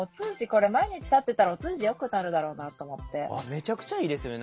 めちゃくちゃいいですよね。